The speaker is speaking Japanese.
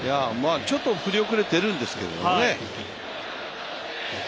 ちょっと振り遅れているんですけどもね。